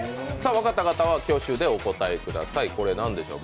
分かった方は挙手でお答えください。